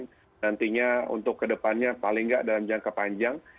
dan nantinya untuk ke depannya paling nggak dalam jangka panjang